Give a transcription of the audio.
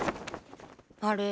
あれ？